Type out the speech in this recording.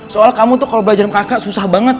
soal kamu tuh kalo belajar sama kakak susah banget